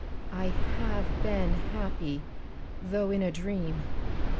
I have been happy, tho' in a dream.